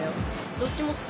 どっちも好き。